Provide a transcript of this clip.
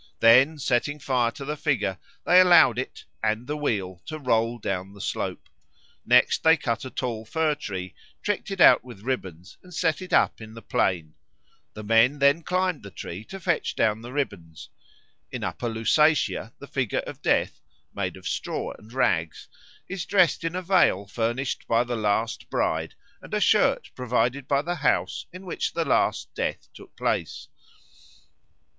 Then setting fire to the figure they allowed it and the wheel to roll down the slope. Next day they cut a tall fir tree, tricked it out with ribbons, and set it up in the plain. The men then climbed the tree to fetch down the ribbons. In Upper Lusatia the figure of Death, made of straw and rags, is dressed in a veil furnished by the last bride and a shirt provided by the house in which the last death took place.